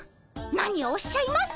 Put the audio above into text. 何をおっしゃいます！